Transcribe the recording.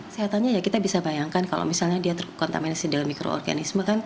seatanya kita bisa bayangkan kalau misalnya dia terkontaminasi dengan mikroorganisme